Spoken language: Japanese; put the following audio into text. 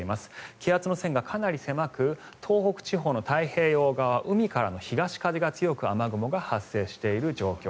気圧の線がかなり狭く東北地方の太平洋側海からの東風が強く雨雲が発生している状況。